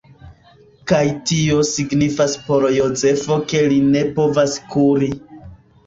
Kaj tio signifas por Jozefo ke li ne povas kuri.